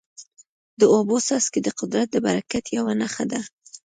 د اوبو څاڅکي د قدرت د برکت یوه نښه ده.